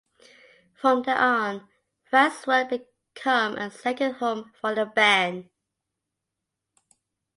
From then on, France would become a second home for the band.